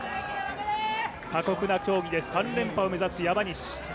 過酷な競技で３連覇を目指す山西。